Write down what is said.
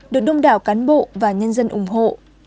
được đông đảo cán bộ và nhân dân ủng hộ